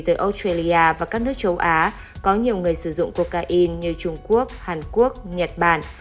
từ australia và các nước châu á có nhiều người sử dụng cocaine như trung quốc hàn quốc nhật bản